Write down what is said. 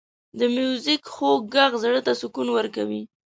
• د میوزیک خوږ ږغ ذهن ته سکون ورکوي.